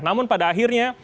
namun pada akhirnya